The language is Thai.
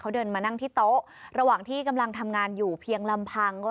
เดินมานั่งที่โต๊ะระหว่างที่กำลังทำงานอยู่เพียงลำพัง